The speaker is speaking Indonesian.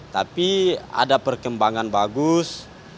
tapi ada perkembangan bagus